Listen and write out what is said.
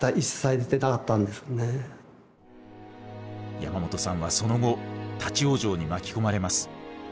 山本さんはその後立往生に巻き込まれます。